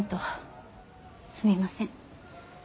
すみません。